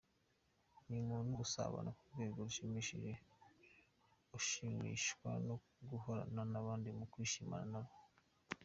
Ni umuntu usabana ku rwego rushimishije, ushimishwa no guhorana n’abandi no kwishimana nabo.